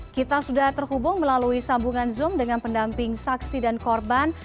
kita sudah terhubung melalui sambungan zoom dengan pendamping saksi dan korban